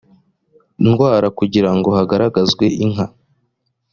ndwara kugira ngo hagaragazwe inka